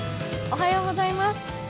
おはようございます。